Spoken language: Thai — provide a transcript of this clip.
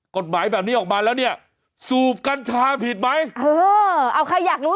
กฎหมายแบบนี้ออกมาแล้วเนี่ยสูบกัญชาผิดไหมเออเอาใครอยากรู้